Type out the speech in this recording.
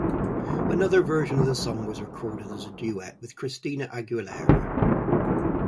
Another version of the song was recorded as a duet with Christina Aguilera.